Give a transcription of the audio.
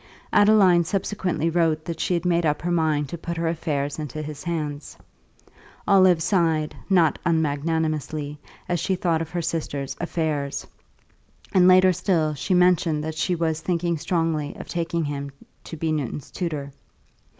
Adeline subsequently wrote that she had made up her mind to put her affairs into his hands (Olive sighed, not unmagnanimously, as she thought of her sister's "affairs"), and later still she mentioned that she was thinking strongly of taking him to be Newton's tutor.